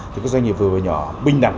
thì các doanh nghiệp vừa và nhỏ bình đẳng